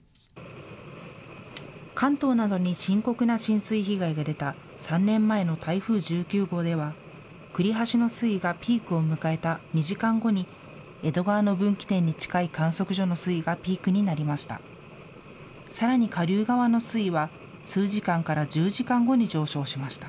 関東などに深刻な浸水被害が出た３年前の台風１９号では、栗橋の水位がピークを迎えた２時間後に江戸川の分岐点に近い観測所の水位がピークになりました。